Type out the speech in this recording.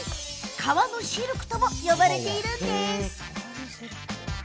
革のシルクとも呼ばれているんです。